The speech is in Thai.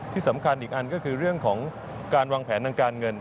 ที่สำคัญอีกอันก็คือเรื่องของการวางแผนทางการเงิน